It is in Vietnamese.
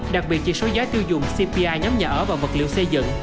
đặc biệt chỉ số giá tiêu dùng cpi nhóm nhà ở và vật liệu xây dựng